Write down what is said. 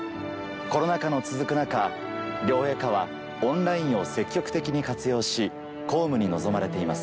コロナ禍の続く中両陛下はオンラインを積極的に活用し公務に臨まれています。